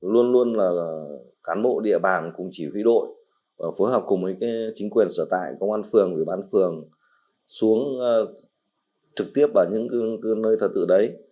luôn luôn là cán bộ địa bàn cùng chỉ huy đội phối hợp cùng với chính quyền sở tại công an phường ủy ban phường xuống trực tiếp ở những nơi thờ tự đấy